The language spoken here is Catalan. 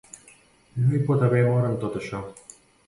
No hi pot haver amor en tot això.